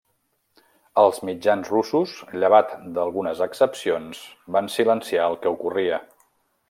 Els mitjans russos, llevat d'algunes excepcions, van silenciar el que ocorria.